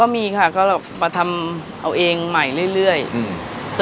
มีวันหยุดเอ่ออาทิตย์ที่สองของเดือนค่ะ